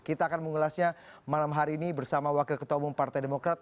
kita akan mengulasnya malam hari ini bersama wakil ketua umum partai demokrat